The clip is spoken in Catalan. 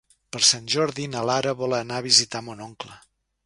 Per Sant Jordi na Lara vol anar a visitar mon oncle.